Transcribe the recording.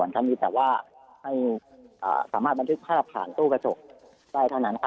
ทำอย่างนี้แต่ว่าให้สามารถบันทึกภาพผ่านตู้กระจกใต้ทั้งนั้นครับ